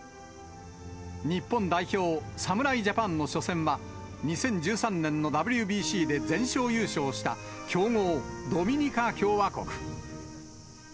日本代表、侍ジャパンの初戦は、２０１３年のＷＢＣで全勝優勝した強豪、ドミニカ共和国。